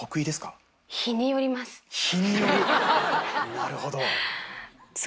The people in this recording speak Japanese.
なるほど。